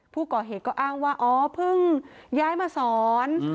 ผู้ก่อเหตุก็อ้างว่าอ๋อเพิ่งย้ายมาสอน